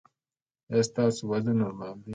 ایا ستاسو وزن نورمال دی؟